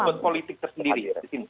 berikan dompet politik tersendiri